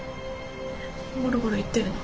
ゴロゴロ言ってるの？